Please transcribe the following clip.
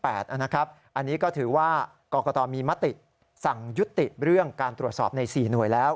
อันนี้ก็ถือว่ากรกตมีมติสั่งยุติเรื่องการตรวจสอบใน๔หน่วยแล้ว